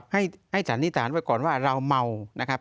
ให้สันนิษฐานไว้ก่อนว่าเราเมานะครับ